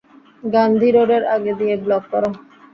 গান্ধী রোডের আগে দিয়ে ব্লক কর।